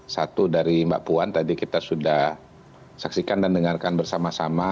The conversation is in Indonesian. satu dari mbak puan tadi kita sudah saksikan dan dengarkan bersama sama